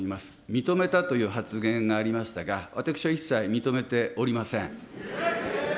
認めたという発言がありましたが、私は一切認めておりません。